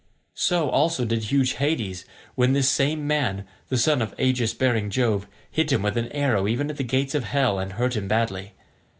So, also, did huge Hades, when this same man, the son of aegis bearing Jove, hit him with an arrow even at the gates of hell, and hurt him badly.